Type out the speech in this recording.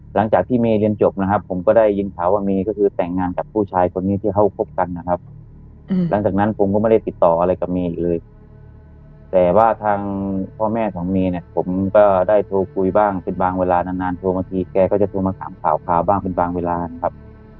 หลังจากที่เมย์เรียนจบนะครับผมก็ได้ยินข่าวว่าเมย์ก็คือแต่งงานกับผู้ชายคนนี้ที่เขาคบกันนะครับหลังจากนั้นผมก็ไม่ได้ติดต่ออะไรกับเมย์อีกเลยแต่ว่าทางพ่อแม่ของเมย์เนี่ยผมก็ได้โทรคุยบ้างเป็นบางเวลานานนานโทรบางทีแกก็จะโทรมาถามข่าวบ้างเป็นบางเวลาครับ